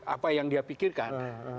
apa yang dia pikirkan